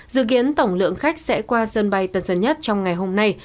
dự kiến tổng lượng khách sẽ qua sân bay tân dân nhất trong ngày hôm nay